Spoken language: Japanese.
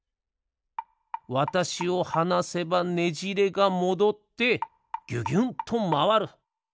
わたしをはなせばねじれがもどってぎゅぎゅんとまわる。